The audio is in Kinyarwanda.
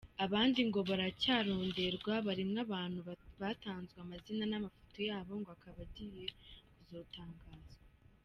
Abandi ngo baracaronderwa, barimwo abatnu batanzwe amazina, n'amafoto yabo ngo akaba agiye kuzotangazwa.